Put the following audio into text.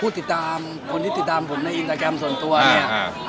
ติดตามคนที่ติดตามผมในอินสตาแกรมส่วนตัวเนี่ย